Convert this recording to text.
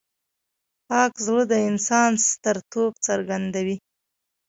پاک زړه د انسان سترتوب څرګندوي.